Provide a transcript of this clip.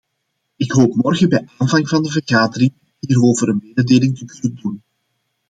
Ik hoop morgen bij aanvang van de vergadering hierover een mededeling te kunnen doen.